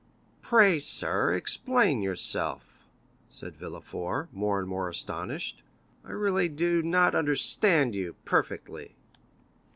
"Pray, sir, explain yourself," said Villefort, more and more astonished, "I really do—not—understand you—perfectly."